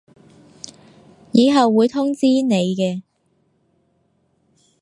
以後會通知你嘅